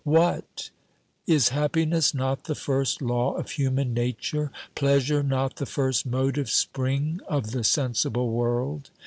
What ! Is happiness not the first law of human nature, pleasure not the first motive spring of the sensible world